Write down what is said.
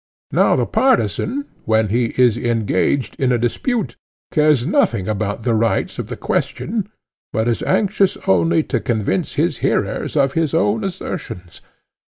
Now the partisan, when he is engaged in a dispute, cares nothing about the rights of the question, but is anxious only to convince his hearers of his own assertions.